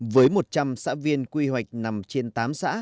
với một trăm linh xã viên quy hoạch nằm trên tám xã